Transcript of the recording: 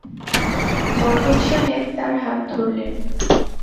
বরকত সাহেব তার হাত ধরলেন।